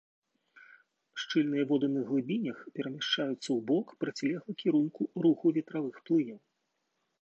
Шчыльныя воды на глыбінях перамяшчаюцца ў бок, процілеглы кірунку руху ветравых плыняў.